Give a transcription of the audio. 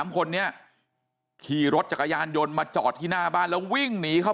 คนนี้ขี่รถจักรยานยนต์มาจอดที่หน้าบ้านแล้ววิ่งหนีเข้า